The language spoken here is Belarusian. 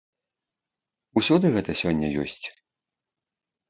Усюды гэта сёння ёсць?